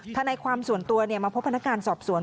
ทนายความส่วนตัวมาพบพนักงานสอบสวน